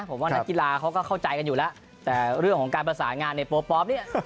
ผมว่านักกีฬาเขาก็เข้าใจกันอยู่แล้วแต่เรื่องของการประสานงานในโปรปอล์ฟเนี่ย